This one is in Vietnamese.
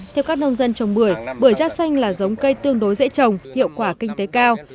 theo các nông dân trồng bưởi bưởi da xanh là giống cây tương đối dễ trồng hiệu quả kinh tế cao